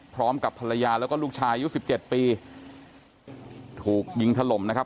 พร้อมกับภรรยาแล้วก็ลูกชายอายุสิบเจ็ดปีถูกยิงถล่มนะครับ